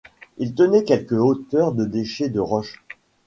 Il tenait quelque hauteur de déchets de roche.